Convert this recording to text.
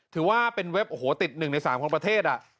ถือว่าเป็นเว็บติด๑ใน๓ประเทศ